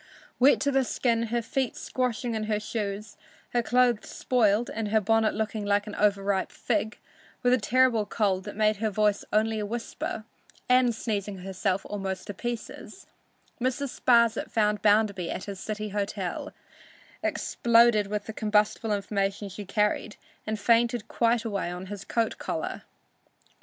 Wet to the skin, her feet squashing in her shoes, her clothes spoiled and her bonnet looking like an over ripe fig, with a terrible cold that made her voice only a whisper, and sneezing herself almost to pieces, Mrs. Sparsit found Bounderby at his city hotel, exploded with the combustible information she carried and fainted quite away on his coat collar.